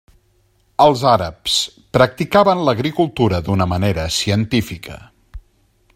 Els àrabs practicaven l'agricultura d'una manera científica.